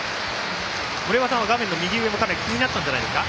森岡さんは画面の右上もかなり気になったんじゃないですか。